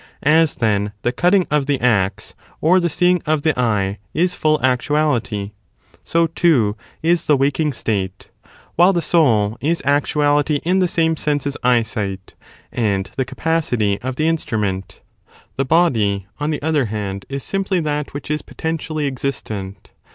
As, then, the cutting of the axe or the seeing of the eye is full actuality, so, too, is the waking state; while the soul is actuality in the same sense as eyesight and the capacity of the instrument. The body, on the other hand, is simply that which is potentially existent.